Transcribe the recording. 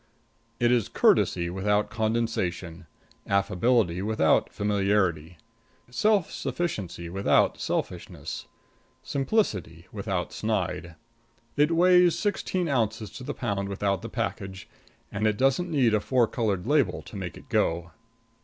It is courtesy without condescension; affability without familiarity; self sufficiency without selfishness; simplicity without snide. It weighs sixteen ounces to the pound without the package, and it doesn't need a four colored label to make it go.